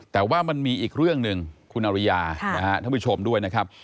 แต่ว่ามันมีอีกเรื่องหนึ่งคุณอริยาท่านผู้ชมด้วยนะครับ